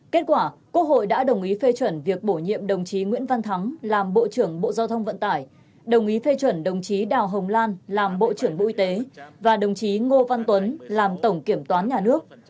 kết quả quốc hội đã đồng ý phê chuẩn việc bổ nhiệm đồng chí nguyễn văn thắng làm bộ trưởng bộ giao thông vận tải đồng ý phê chuẩn đồng chí đào hồng lan làm bộ trưởng bộ y tế và đồng chí ngô văn tuấn làm tổng kiểm toán nhà nước